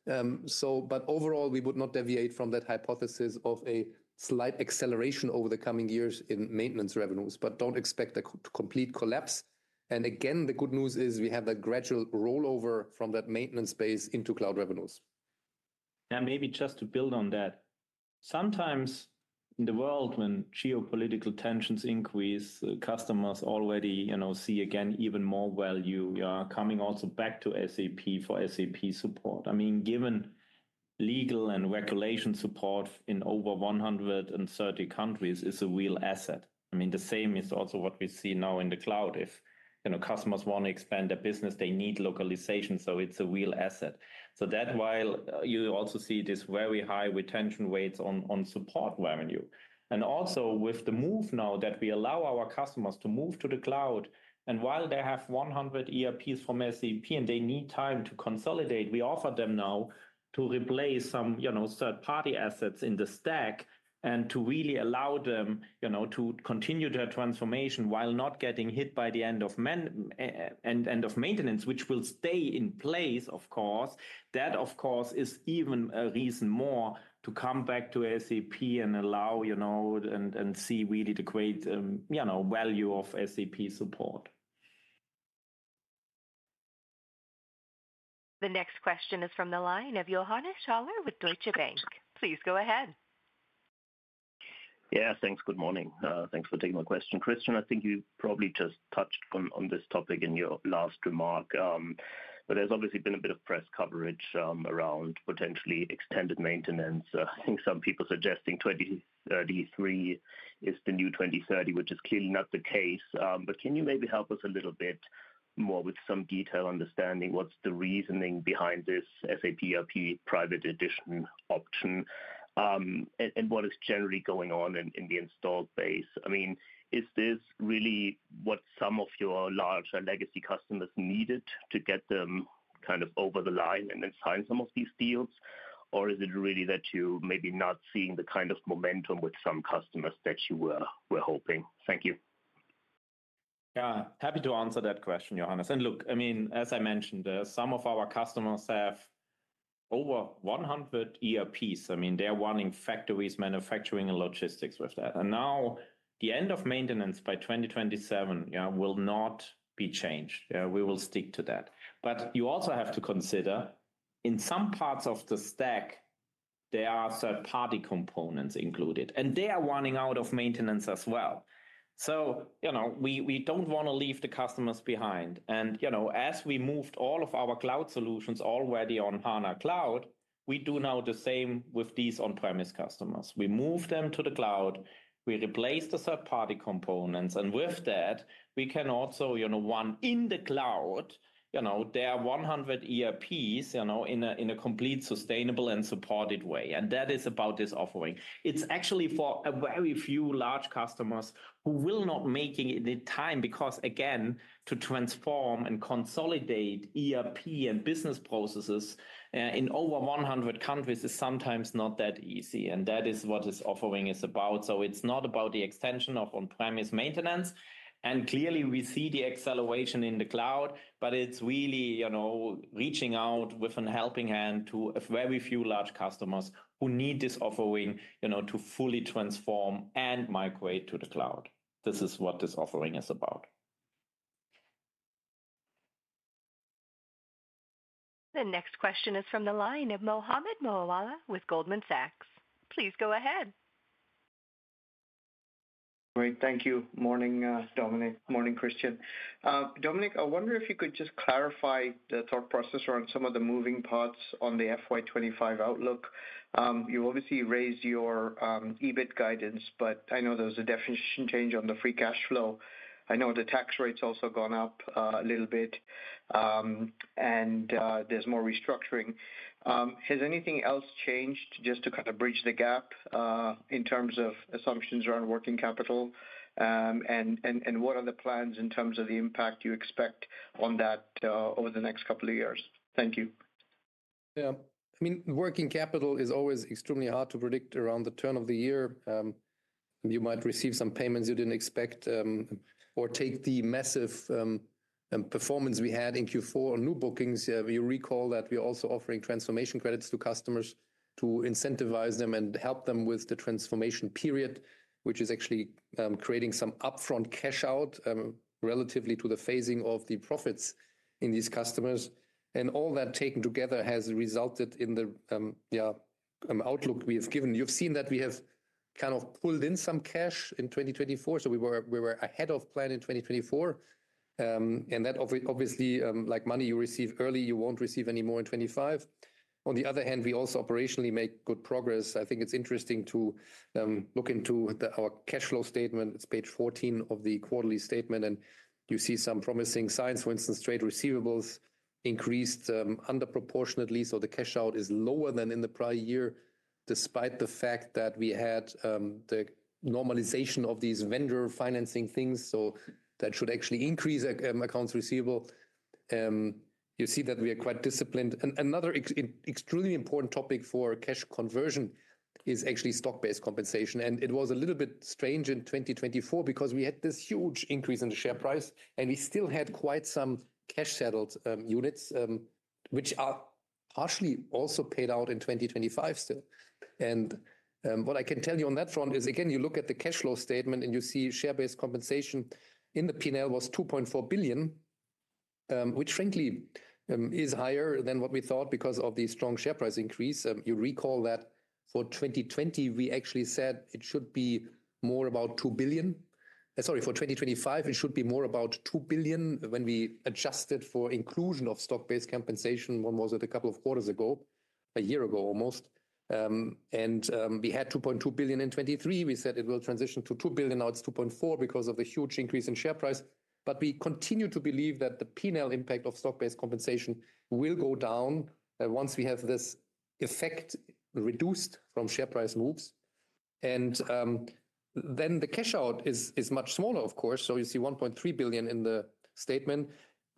But overall, we would not deviate from that hypothesis of a slight acceleration over the coming years in maintenance revenues, but don't expect a complete collapse. Again, the good news is we have a gradual rollover from that maintenance base into cloud revenues. Maybe just to build on that, sometimes in the world, when geopolitical tensions increase, customers already see again even more value. You are coming also back to SAP for SAP support. I mean, given legal and regulatory support in over 130 countries is a real asset. I mean, the same is also what we see now in the cloud. If customers want to expand their business, they need localization. It's a real asset. That while you also see this very high retention rates on support revenue. And also with the move now that we allow our customers to move to the cloud, and while they have 100 ERPs from SAP and they need time to consolidate, we offer them now to replace some third-party assets in the stack and to really allow them to continue their transformation while not getting hit by the end of maintenance, which will stay in place, of course. That, of course, is even a reason more to come back to SAP and allow and see really the great value of SAP support. The next question is from the line of Johannes Schaller with Deutsche Bank. Please go ahead. Yes, thanks. Good morning. Thanks for taking my question, Christian. I think you probably just touched on this topic in your last remark. But there's obviously been a bit of press coverage around potentially extended maintenance. I think some people suggesting 2033 is the new 2030, which is clearly not the case. But can you maybe help us a little bit more with some detail understanding what's the reasoning behind this SAP ERP private edition option and what is generally going on in the installed base? I mean, is this really what some of your larger legacy customers needed to get them kind of over the line and then sign some of these deals, or is it really that you may be not seeing the kind of momentum with some customers that you were hoping? Thank you. Yeah, happy to answer that question, Johannes. And look, I mean, as I mentioned, some of our customers have over 100 ERPs. I mean, they're running factories, manufacturing, and logistics with that. And now the end of maintenance by 2027 will not be changed. We will stick to that. But you also have to consider in some parts of the stack, there are third-party components included, and they are running out of maintenance as well. So we don't want to leave the customers behind. And as we moved all of our cloud solutions already on HANA Cloud, we do now the same with these on-premise customers. We moved them to the cloud. We replaced the third-party components. And with that, we can also run in the cloud. There are 100 ERPs in a complete sustainable and supported way. And that is about this offering. It's actually for a very few large customers who will not make it in time because, again, to transform and consolidate ERP and business processes in over 100 countries is sometimes not that easy. And that is what this offering is about. So it's not about the extension of on-premise maintenance. Clearly, we see the acceleration in the cloud, but it's really reaching out with a helping hand to very few large customers who need this offering to fully transform and migrate to the cloud. This is what this offering is about. The next question is from the line of Mohammed Moawalla with Goldman Sachs. Please go ahead. Great. Thank you. Morning, Dominik. Morning, Christian. Dominik, I wonder if you could just clarify the thought process around some of the moving parts on the FY25 outlook. You obviously raised your EBIT guidance, but I know there was a definition change on the free cash flow. I know the tax rate's also gone up a little bit, and there's more restructuring. Has anything else changed just to kind of bridge the gap in terms of assumptions around working capital? And what are the plans in terms of the impact you expect on that over the next couple of years? Thank you. Yeah. I mean, working capital is always extremely hard to predict around the turn of the year. You might receive some payments you didn't expect or take the massive performance we had in Q4 on new bookings. You recall that we are also offering transformation credits to customers to incentivize them and help them with the transformation period, which is actually creating some upfront cash out relatively to the phasing of the profits in these customers. And all that taken together has resulted in the outlook we have given. You've seen that we have kind of pulled in some cash in 2024. So we were ahead of plan in 2024. And that obviously, like money you receive early, you won't receive any more in 2025. On the other hand, we also operationally make good progress. I think it's interesting to look into our cash flow statement. It's page 14 of the quarterly statement, and you see some promising signs. For instance, trade receivables increased under proportionately, so the cash out is lower than in the prior year, despite the fact that we had the normalization of these vendor financing things, so that should actually increase accounts receivable. You see that we are quite disciplined. Another extremely important topic for cash conversion is actually stock-based compensation, and it was a little bit strange in 2024 because we had this huge increase in the share price, and we still had quite some cash settled units, which are partially also paid out in 2025 still. What I can tell you on that front is, again, you look at the cash flow statement and you see share-based compensation in the P&L was 2.4 billion, which frankly is higher than what we thought because of the strong share price increase. You recall that for 2020, we actually said it should be more about 2 billion. Sorry, for 2025, it should be more about 2 billion when we adjusted for inclusion of stock-based compensation one was at a couple of quarters ago, a year ago almost. We had 2.2 billion in 2023. We said it will transition to 2 billion. Now it's 2.4 billion because of the huge increase in share price. But we continue to believe that the P&L impact of stock-based compensation will go down once we have this effect reduced from share price moves. Then the cash out is much smaller, of course. You see 1.3 billion in the statement.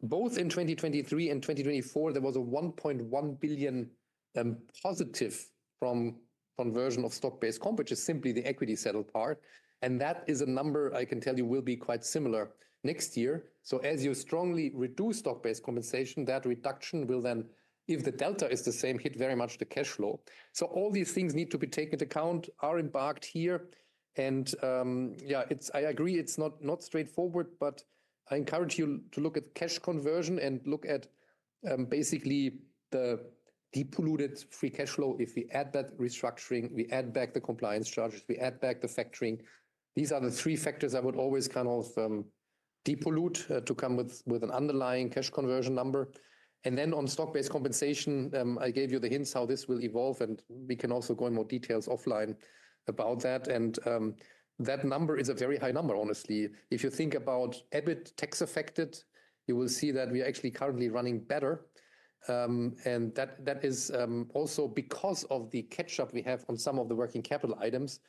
Both in 2023 and 2024, there was a 1.1 billion positive from conversion of stock-based comp, which is simply the equity settled part. And that is a number, I can tell you, will be quite similar next year. So as you strongly reduce stock-based compensation, that reduction will then, if the delta is the same, hit very much the cash flow. So all these things need to be taken into account, are embedded here. And yeah, I agree it's not straightforward, but I encourage you to look at cash conversion and look at basically the depolluted free cash flow. If we add back that restructuring, we add back the compliance charges, we add back the factoring. These are the three factors I would always kind of depollute to come with an underlying cash conversion number. Then on stock-based compensation, I gave you the hints how this will evolve, and we can also go in more details offline about that. That number is a very high number, honestly. If you think about EBIT tax affected, you will see that we are actually currently running better. That is also because of the catch-up we have on some of the working capital items.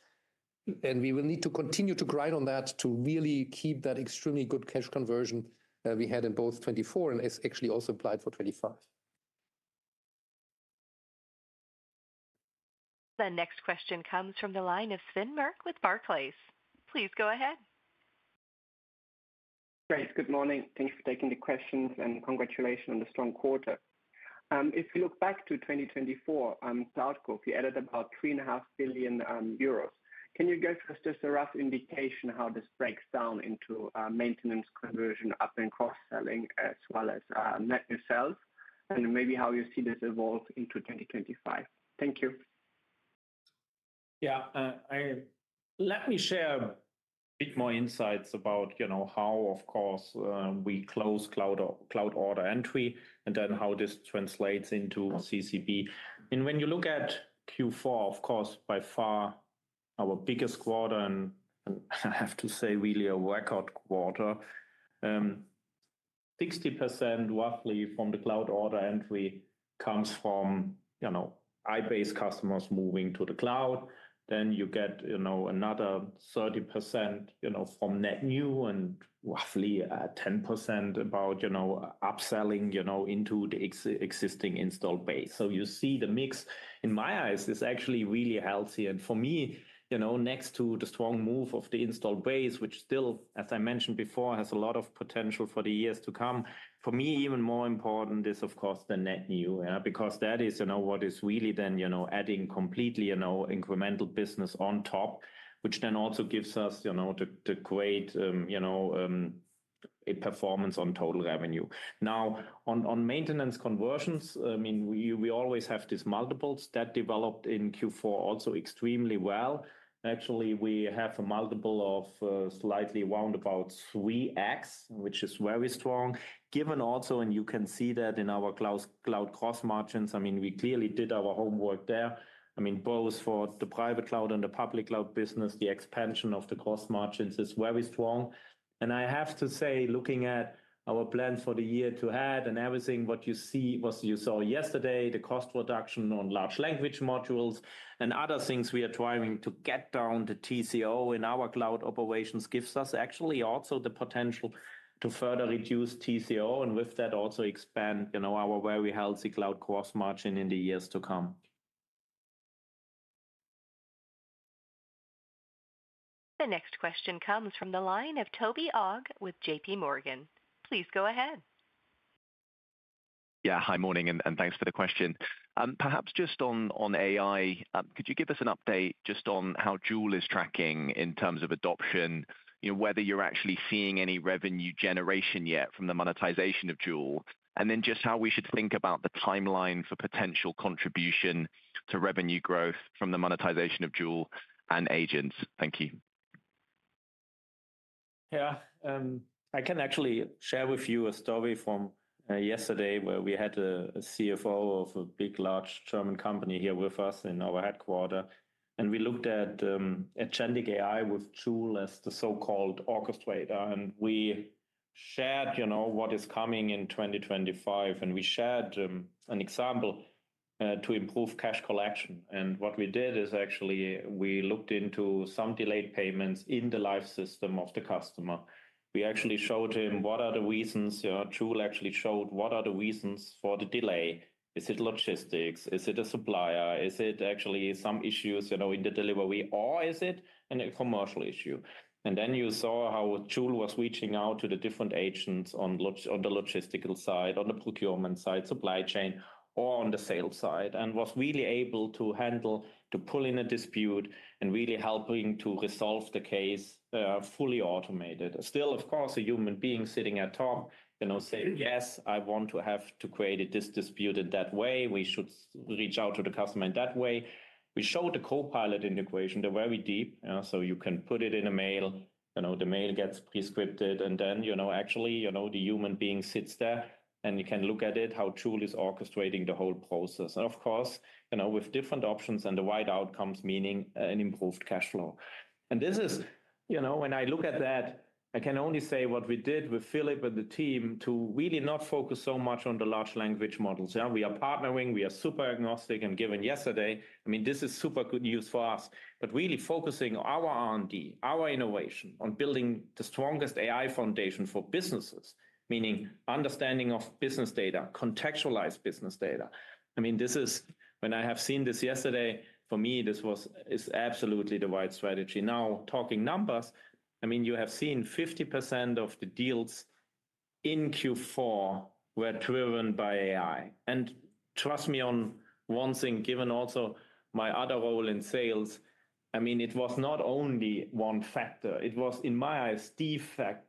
We will need to continue to grind on that to really keep that extremely good cash conversion that we had in both 2024 and is actually also applied for 2025. The next question comes from the line of Sven Merkt with Barclays. Please go ahead. Great. Good morning. Thank you for taking the questions and congratulations on the strong quarter. If you look back to 2024, cloud revenue, you added about 3.5 billion euros. Can you give us just a rough indication how this breaks down into maintenance, conversion, up and cross-selling, as well as net new sales? And maybe how you see this evolve into 2025? Thank you. Yeah. Let me share a bit more insights about how, of course, we close cloud order entry and then how this translates into CCB. And when you look at Q4, of course, by far our biggest quarter, and I have to say really a record quarter, 60% roughly from the cloud order entry comes from installed base customers moving to the cloud. Then you get another 30% from net new and roughly 10% about upselling into the existing installed base. So you see the mix in my eyes is actually really healthy. And for me, next to the strong move of the installed base, which still, as I mentioned before, has a lot of potential for the years to come, for me, even more important is, of course, the net new, because that is what is really then adding completely incremental business on top, which then also gives us the great performance on total revenue. Now, on maintenance conversions, I mean, we always have these multiples that developed in Q4 also extremely well. Actually, we have a multiple of slightly round about 3x, which is very strong. Given also, and you can see that in our cloud cost margins, I mean, we clearly did our homework there. I mean, both for the private cloud and the public cloud business, the expansion of the cost margins is very strong. I have to say, looking at our plan for the year ahead and everything, what you see was you saw yesterday, the cost reduction on large language models and other things we are trying to get down the TCO in our cloud operations gives us actually also the potential to further reduce TCO and with that also expand our very healthy cloud cost margin in the years to come. The next question comes from the line of Toby Ogg with J.P. Morgan. Please go ahead. Yeah, hi. Morning and thanks for the question. Perhaps just on AI, could you give us an update just on how Joule is tracking in terms of adoption, whether you're actually seeing any revenue generation yet from the monetization of Joule, and then just how we should think about the timeline for potential contribution to revenue growth from the monetization of Joule and agents? Thank you. Yeah, I can actually share with you a story from yesterday where we had a CFO of a big large German company here with us in our headquarters, and we looked at agentic AI with Joule as the so-called orchestrator, and we shared what is coming in 2025, and we shared an example to improve cash collection. And what we did is actually we looked into some delayed payments in the live system of the customer. We actually showed him what are the reasons. Joule actually showed what are the reasons for the delay. Is it logistics? Is it a supplier? Is it actually some issues in the delivery, or is it a commercial issue? And then you saw how Joule was reaching out to the different agents on the logistical side, on the procurement side, supply chain, or on the sales side, and was really able to handle, to pull in a dispute, and really helping to resolve the case fully automated. Still, of course, a human being sitting at top, saying, "Yes, I want to have to create this dispute in that way. We should reach out to the customer in that way." We showed the copilot integration very deep. So you can put it in a mail. The mail gets prescripted, and then actually the human being sits there, and you can look at it, how Joule is orchestrating the whole process. And of course, with different options and the wide outcomes, meaning an improved cash flow. And this is when I look at that, I can only say what we did with Philipp and the team to really not focus so much on the large language models. We are partnering. We are super agnostic. And given yesterday, I mean, this is super good news for us, but really focusing our R&D, our innovation on building the strongest AI foundation for businesses, meaning understanding of business data, contextualized business data. I mean, this is when I have seen this yesterday, for me, this was absolutely the right strategy. Now, talking numbers, I mean, you have seen 50% of the deals in Q4 were driven by AI. And trust me on one thing, given also my other role in sales, I mean, it was not only one factor. It was, in my eyes, an effect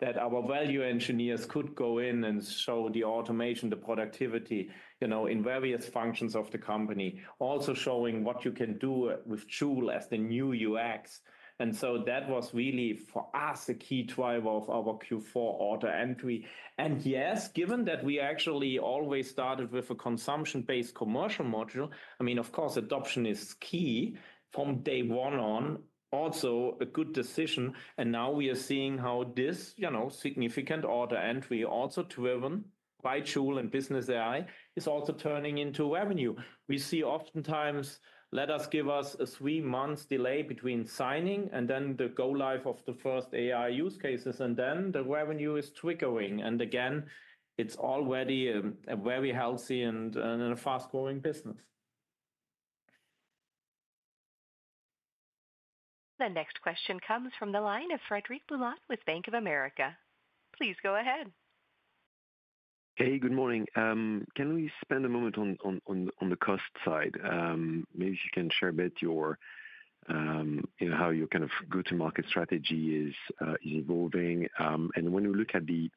that our value engineers could go in and show the automation, the productivity in various functions of the company, also showing what you can do with Joule as the new UX. And so that was really, for us, a key driver of our Q4 order entry. And yes, given that we actually always started with a consumption-based commercial model, I mean, of course, adoption is key from day one on, also a good decision. And now we are seeing how this significant order entry, also driven by Joule and Business AI, is also turning into revenue. We see oftentimes, let us give us a three-month delay between signing and then the go-live of the first AI use cases, and then the revenue is triggering. And again, it's already a very healthy and fast-growing business. The next question comes from the line of Frederic Boulan with Bank of America. Please go ahead. Hey, good morning. Can we spend a moment on the cost side? Maybe if you can share a bit how your kind of go-to-market strategy is evolving. And when you look at the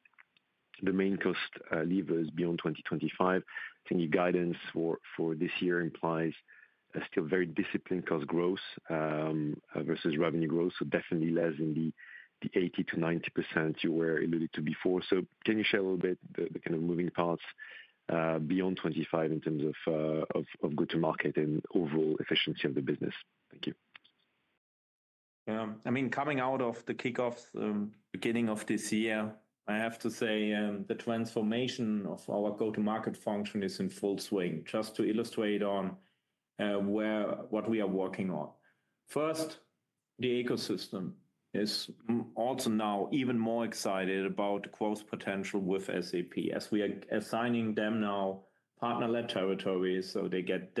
main cost levers beyond 2025, I think your guidance for this year implies still very disciplined cost growth versus revenue growth, so definitely less than the 80%-90% you were alluded to before. So can you share a little bit the kind of moving parts beyond 2025 in terms of go-to-market and overall efficiency of the business? Thank you. I mean, coming out of the kickoff, beginning of this year, I have to say the transformation of our go-to-market function is in full swing. Just to illustrate what we are working on. First, the ecosystem is also now even more excited about the growth potential with SAP as we are assigning them now partner-led territories. So they get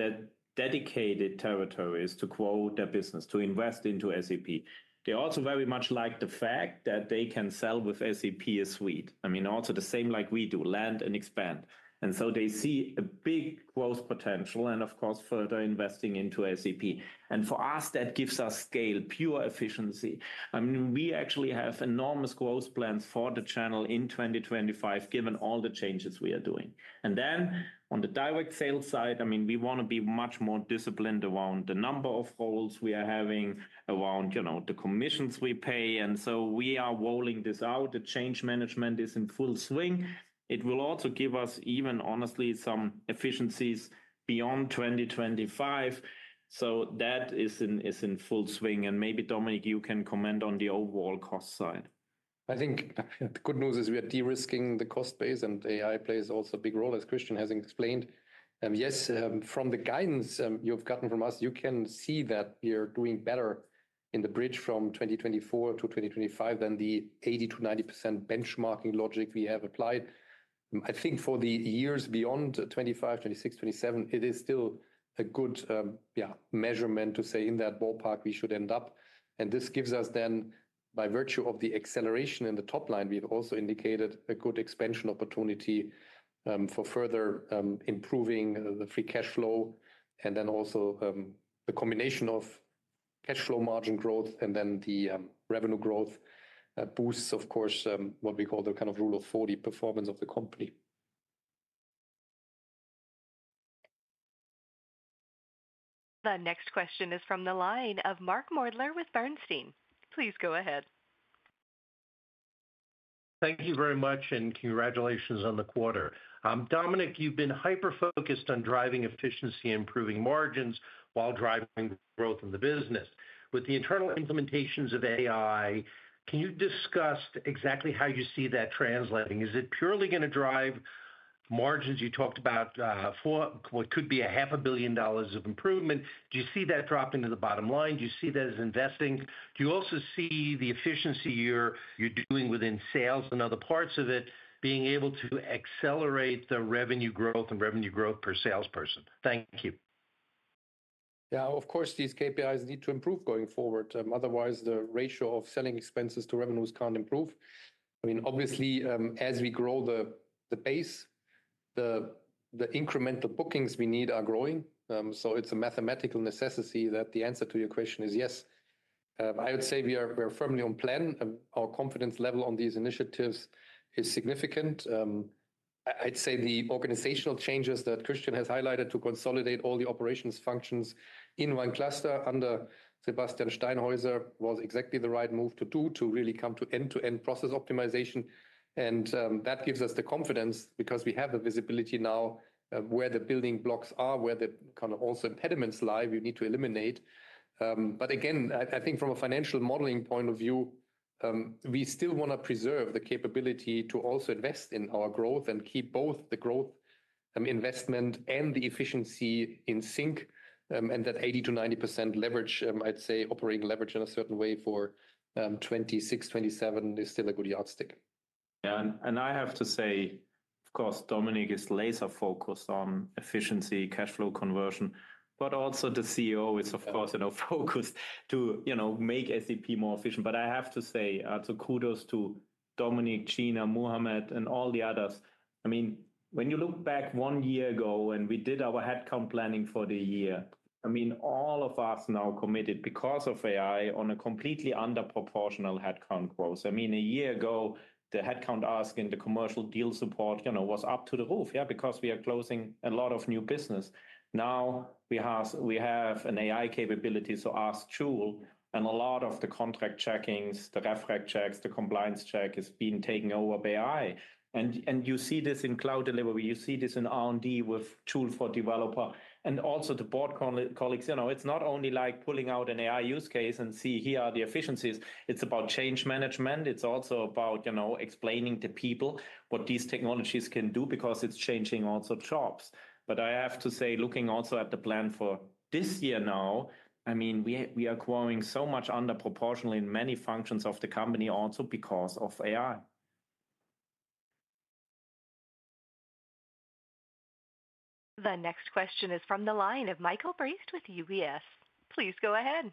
dedicated territories to grow their business, to invest into SAP. They also very much like the fact that they can sell with SAP Suite. I mean, also the same like we do, land and expand. And so they see a big growth potential and, of course, further investing into SAP. And for us, that gives us scale, pure efficiency. I mean, we actually have enormous growth plans for the channel in 2025, given all the changes we are doing. And then on the direct sales side, I mean, we want to be much more disciplined around the number of roles we are having, around the commissions we pay. And so we are rolling this out. The change management is in full swing. It will also give us, even honestly, some efficiencies beyond 2025. So that is in full swing. And maybe, Dominik, you can comment on the overall cost side. I think the good news is we are de-risking the cost base, and AI plays also a big role, as Christian has explained. Yes, from the guidance you've gotten from us, you can see that we are doing better in the bridge from 2024 to 2025 than the 80% to 90% benchmarking logic we have applied. I think for the years beyond 2025, 2026, 2027, it is still a good measurement to say in that ballpark we should end up. And this gives us then, by virtue of the acceleration in the top line, we've also indicated a good expansion opportunity for further improving the free cash flow. And then also the combination of cash flow margin growth and then the revenue growth boosts, of course, what we call the kind of Rule of 40 performance of the company. The next question is from the line of Mark Moerdler with Bernstein. Please go ahead. Thank you very much and congratulations on the quarter. Dominik, you've been hyper-focused on driving efficiency and improving margins while driving growth in the business. With the internal implementations of AI, can you discuss exactly how you see that translating? Is it purely going to drive margins you talked about for what could be $500 million of improvement? Do you see that dropping to the bottom line? Do you see that as investing? Do you also see the efficiency you're doing within sales and other parts of it being able to accelerate the revenue growth and revenue growth per salesperson? Thank you. Yeah, of course, these KPIs need to improve going forward. Otherwise, the ratio of selling expenses to revenues can't improve. I mean, obviously, as we grow the base, the incremental bookings we need are growing. So it's a mathematical necessity that the answer to your question is yes. I would say we are firmly on plan. Our confidence level on these initiatives is significant. I'd say the organizational changes that Christian has highlighted to consolidate all the operations functions in one cluster under Sebastian Steinhäuser was exactly the right move to do to really come to end-to-end process optimization. And that gives us the confidence because we have the visibility now where the building blocks are, where the kind of also impediments lie we need to eliminate. But again, I think from a financial modeling point of view, we still want to preserve the capability to also invest in our growth and keep both the growth investment and the efficiency in sync. And that 80%-90% leverage, I'd say operating leverage in a certain way for 2026, 2027 is still a good yardstick. Yeah, and I have to say, of course, Dominik is laser-focused on efficiency, cash flow conversion, but also the CEO is, of course, focused to make SAP more efficient. But I have to say, so kudos to Dominik, Gina, Muhammad, and all the others. I mean, when you look back one year ago and we did our headcount planning for the year, I mean, all of us now committed because of AI on a completely under proportional headcount growth. I mean, a year ago, the headcount ask in the commercial deal support was up to the roof, yeah, because we are closing a lot of new business. Now we have an AI capability to ask Joule, and a lot of the contract checkings, the red flag checks, the compliance check has been taken over by AI. And you see this in cloud delivery. You see this in R&D with Joule for Developer. And also the board colleagues, it's not only like pulling out an AI use case and see here are the efficiencies. It's about change management. It's also about explaining to people what these technologies can do because it's changing also jobs. But I have to say, looking also at the plan for this year now, I mean, we are growing so much under proportionally in many functions of the company also because of AI. The next question is from the line of Michael Briest with UBS. Please go ahead.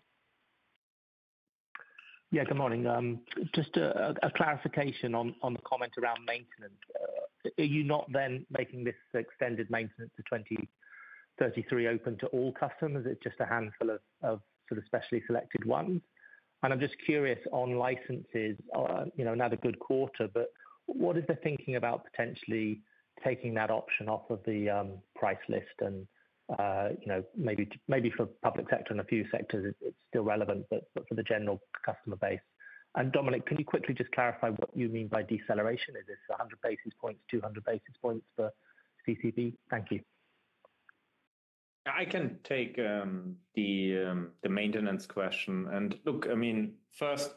Yeah, good morning. Just a clarification on the comment around maintenance. Are you not then making this extended maintenance to 2033 open to all customers? It's just a handful of sort of specially selected ones. And I'm just curious on licenses, another good quarter, but what is the thinking about potentially taking that option off of the price list? And maybe for public sector and a few sectors, it's still relevant, but for the general customer base. Dominik, can you quickly just clarify what you mean by deceleration? Is this 100 basis points, 200 basis points for CCB? Thank you. I can take the maintenance question. Look, I mean, first,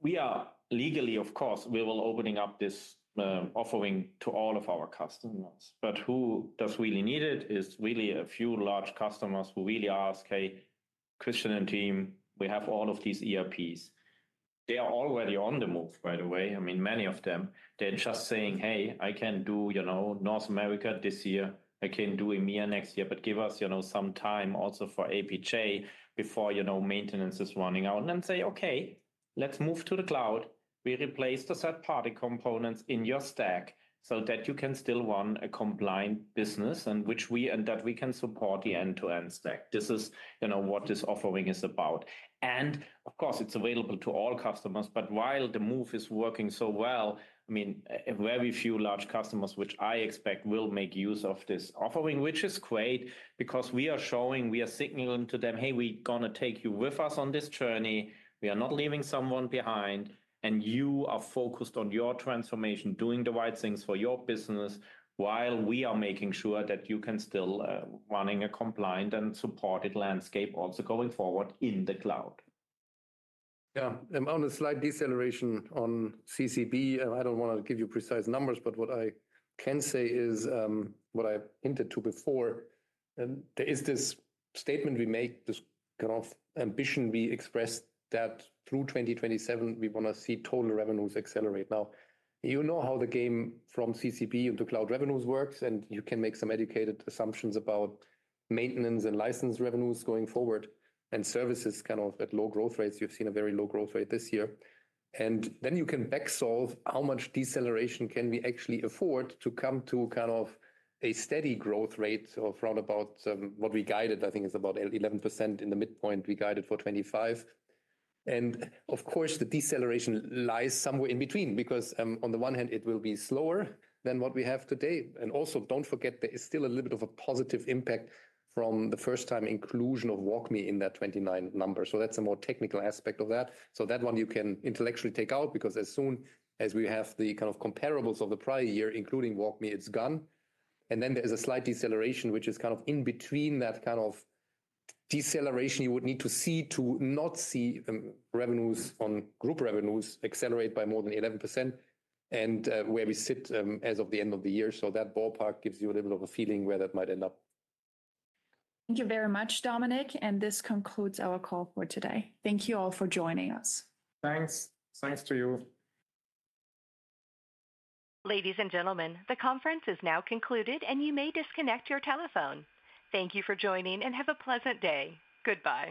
we are legally, of course, we will be opening up this offering to all of our customers. But who does really need it is really a few large customers who really ask, "Hey, Christian and team, we have all of these ERPs." They are already on the move, by the way. I mean, many of them, they're just saying, "Hey, I can do North America this year. I can do EMEA next year, but give us some time also for APJ before maintenance is running out." And then say, "Okay, let's move to the cloud. We replace the third-party components in your stack so that you can still run a compliant business and that we can support the end-to-end stack." This is what this offering is about, and of course, it's available to all customers, but while the move is working so well, I mean, very few large customers, which I expect, will make use of this offering, which is great because we are showing, we are signaling to them, "Hey, we're going to take you with us on this journey. We are not leaving someone behind. And you are focused on your transformation, doing the right things for your business while we are making sure that you can still run a compliant and supported landscape also going forward in the cloud." Yeah, I'm on a slight deceleration on CCB. I don't want to give you precise numbers, but what I can say is what I hinted to before. There is this statement we make, this kind of ambition we expressed that through 2027, we want to see total revenues accelerate. Now, you know how the game from CCB into cloud revenues works, and you can make some educated assumptions about maintenance and license revenues going forward and services kind of at low growth rates. You've seen a very low growth rate this year. And then you can backsolve how much deceleration can we actually afford to come to kind of a steady growth rate of around about what we guided, I think it's about 11% in the midpoint we guided for 2025. And of course, the deceleration lies somewhere in between because on the one hand, it will be slower than what we have today. And also, don't forget, there is still a little bit of a positive impact from the first-time inclusion of WalkMe in that '29 number. So that's a more technical aspect of that. So that one you can intellectually take out because as soon as we have the kind of comparables of the prior year, including WalkMe, it's gone. And then there's a slight deceleration, which is kind of in between that kind of deceleration you would need to see to not see revenues on group revenues accelerate by more than 11% and where we sit as of the end of the year. So that ballpark gives you a little bit of a feeling where that might end up. Thank you very much, Dominik. And this concludes our call for today. Thank you all for joining us. Thanks. Thanks to you. Ladies and gentlemen, the conference is now concluded, and you may disconnect your telephone. Thank you for joining and have a pleasant day. Goodbye.